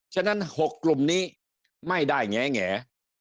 ฉะนั้น๖กลุ่มนี้ไม่ได้แง่